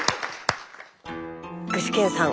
具志堅さん